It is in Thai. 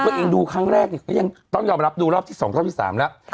เกิดเองดูครั้งแรกเนี้ยก็ยังต้องยอมรับดูรอบที่สองรอบที่สามแล้วค่ะ